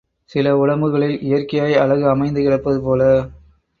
சில உடம்புகளில் இயற்கையாய் அழகு அமைந்து கிடப்பதுபோல